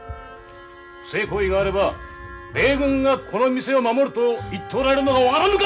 不正行為があれば米軍がこの店を守ると言っておられるのが分からんのか！